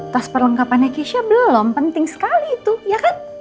tas perlengkapannya kisha belum penting sekali itu ya kan